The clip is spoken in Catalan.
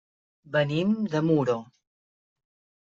Venim de Muro.